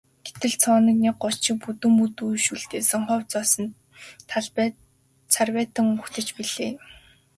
Гэтэл цооргонын год шиг бүдүүн бүдүүн иш үлдээсэн хов хоосон талбай цайвартан угтаж билээ.